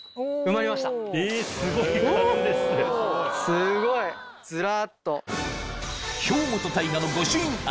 すごい！ずらっと。